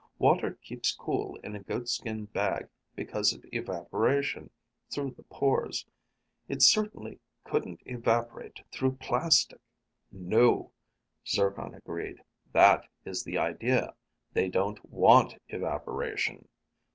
Water keeps cool in a goatskin bag because of evaporation through the pores. It certainly couldn't evaporate through plastic." "No," Zircon agreed. "That is the idea. They don't want evaporation.